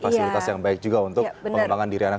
fasilitas yang baik juga untuk pengembangan diri anak